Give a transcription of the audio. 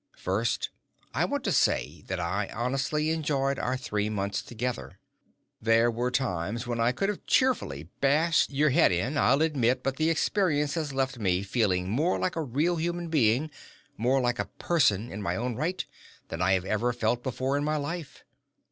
First, I want to say that I honestly enjoyed our three months together. There were times when I could have cheerfully bashed your head in, I'll admit, but the experience has left me feeling more like a real human being, more like a person in my own right, than I have ever felt before in my life.